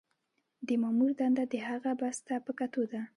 د مامور دنده د هغه بست ته په کتو ده.